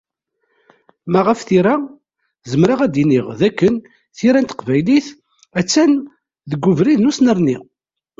Ma ɣef tira, zemreɣ ad d-iniɣ d akken tira n teqbaylit, ha-tt-an deg ubrid n usnerni.